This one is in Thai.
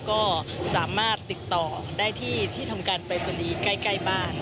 ก็สามารถติดต่อได้ที่ทำการปรายศนีย์ใกล้บ้าน